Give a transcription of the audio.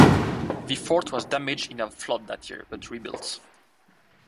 The fort was damaged in a flood that year, but rebuilt.